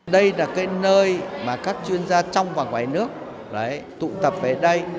đây là nơi các chuyên gia trong và ngoài nước tụ tập về đây